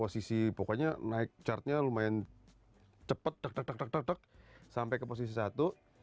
sampai ke posisi satu